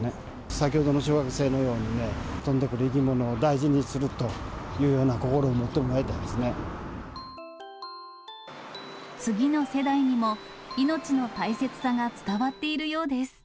先ほどの小学生のようにね、飛んでくる生き物を大事にするというような心を持ってもらいたい次の世代にも、命の大切さが伝わっているようです。